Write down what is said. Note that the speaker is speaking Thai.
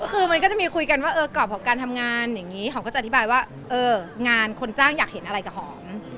ก็คือมันก็จะมีคุยกันว่าเออกรอบของการทำงานอย่างนี้หอมก็จะอธิบายว่าเอองานคนจ้างอยากเห็นอะไรกับหอม